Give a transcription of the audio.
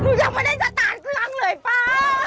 หนูยังไม่ได้จะตากซื่องเลยป๊า